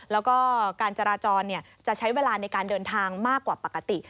แล้วก็การจราจรจะใช้เวลาในการเดินทางมากกว่าปกติ